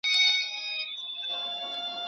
که مرسته وشي پرمختیايي هیوادونه به وده وکړي.